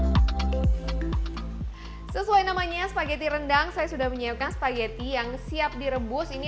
hai sesuai namanya spaghetti rendang saya sudah menyayangkan spaghetti yang siap direbus ini